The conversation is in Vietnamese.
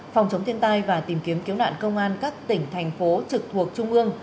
phòng chống thiên tai và tìm kiếm cứu nạn công an các tỉnh thành phố trực thuộc trung ương